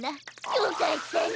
よかったね！